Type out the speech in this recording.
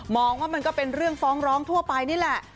ว่ามันก็เป็นเรื่องฟ้องร้องทั่วไปนี่แหละ